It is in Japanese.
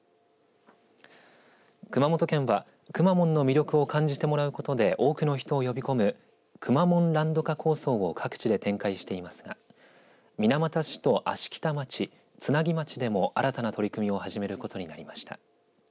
熊本県は、くまモンの魅力を感じてもらうことで多くの人を呼び込むくまモンランド化構想を各地で展開していますが水俣市と芦北町、津奈木町でも新たな取り組みを始めることになりました。